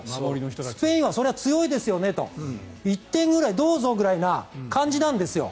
スペインはそれは強いですよねと１点ぐらいどうぞみたいな感じなんですよ。